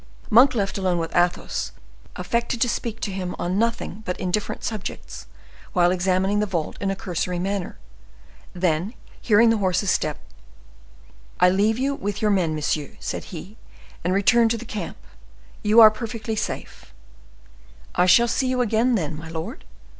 Monk, left alone with Athos, affected to speak to him on nothing but indifferent subjects while examining the vault in a cursory manner. Then, hearing the horse's steps,— "I leave you with your men, monsieur," said he, "and return to the camp. You are perfectly safe." "I shall see you again, then, my lord?"